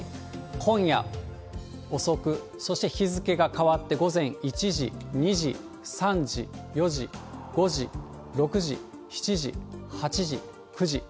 今夜遅く、そして日付が変わって午前１時、２時、３時、４時、５時、６時、７時、８時、９時。